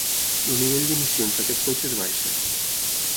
El nivell d'emissions d'aquest cotxe és baixa.